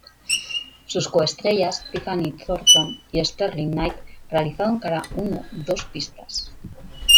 Sus co-estrellas, Tiffany Thornton y Sterling Knight realizaron cada uno dos pistas.